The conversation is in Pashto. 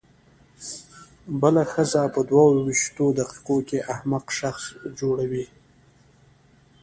بله ښځه په دوه وېشتو دقیقو کې احمق شخص جوړوي.